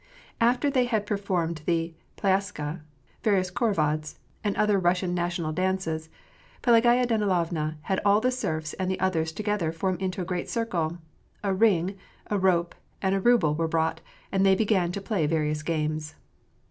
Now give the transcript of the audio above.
After they had performed the plyaskaj various khorovods and other Kussian national dances, Pelagaya Danilovna had all the serfs and the others together form into a great cir cle ; a ring, a rope, and a ruble were brought, and they began to play various games.